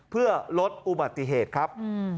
เพื่อลดอุบัติเหตุครับ